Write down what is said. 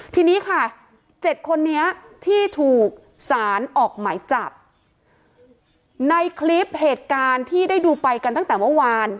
ทีนี้ค่ะเจ็ดคนนี้ที่ถูกสารออกหมายจับในคลิปเหตุการณ์ที่ได้ดูไปกันตั้งแต่เมื่อวาน